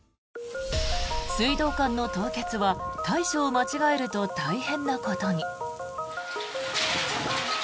水道管の凍結は対処を間違えると大変なことに。